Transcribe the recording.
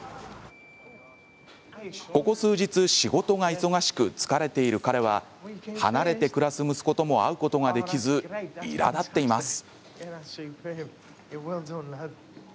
ここ数日仕事が忙しく疲れている彼は離れて暮らす息子とも会うことができずいらだっています。